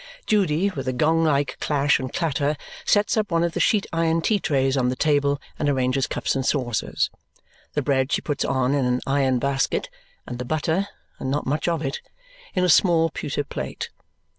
Judy, with a gong like clash and clatter, sets one of the sheet iron tea trays on the table and arranges cups and saucers. The bread she puts on in an iron basket, and the butter (and not much of it) in a small pewter plate.